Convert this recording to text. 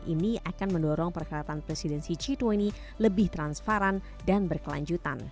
ini akan mendorong perkataan presidensi citwini lebih transparan dan berkelanjutan